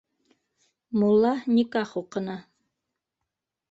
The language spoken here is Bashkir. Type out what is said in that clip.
Мулла никах уҡыны.